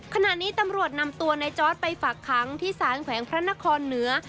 ขณะนี้ตำรวจนำตัวในจอร์ดไปฝากค้างที่สารแขวงพระนครเหนือ